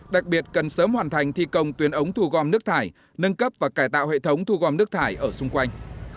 đặc biệt cần sớm hoàn thành thi công tuyến ống thu gom nước thải nâng cấp và cải tạo hệ thống thu gom nước thải ở xung quanh